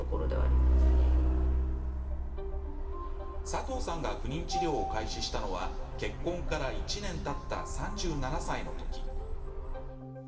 佐藤さんが不妊治療を開始したのは結婚から１年たった３７歳のとき。